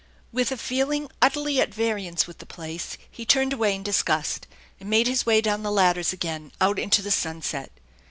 With a feeling utterly at variance with the place he turned away in disgust, and made his way down the ladders again, out into the sunset.